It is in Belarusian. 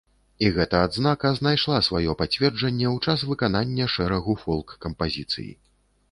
І гэта адзнака знайшла сваё пацверджанне ў час выканання шэрагу фолк-кампазіцый.